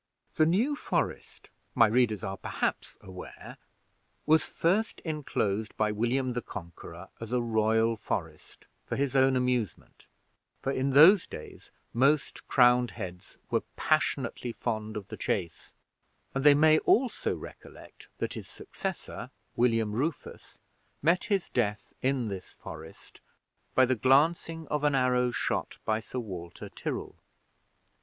The New Forest, my readers are perhaps aware, was first inclosed by William the Conqueror as a royal forest for his own amusement for in those days most crowned heads were passionately fond of the chase; and they may also recollect that his successor, William Rufus, met his death in this forest by the glancing of an arrow shot by Sir Walter Tyrrell.